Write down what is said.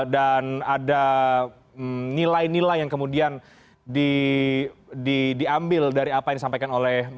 dan ada nilai nilai yang kemudian diambil dari apa yang disampaikan oleh mbak pasek